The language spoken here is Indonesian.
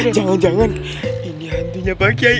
jangan jangan ini hantunya pak kiai